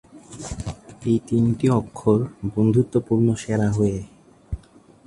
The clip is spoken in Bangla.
এই তিনটি অক্ষর বন্ধুত্বপূর্ণ সেরা হয়ে।